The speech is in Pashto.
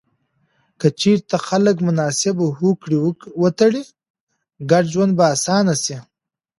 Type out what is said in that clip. که چیرته خلک مناسبې هوکړې وتړي، ګډ ژوند به اسانه سي.